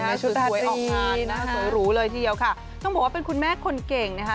ชุดสวยออกงานสวยหรูเลยทีเดียวค่ะต้องบอกว่าเป็นคุณแม่คนเก่งนะคะ